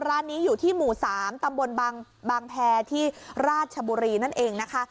ร้านนี้อยู่ที่หมู่๓ตำบลบางแพรที่ราชบุรีนั่นเองนะคะ